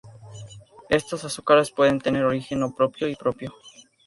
Estos azúcares pueden tener origen no propio y propio.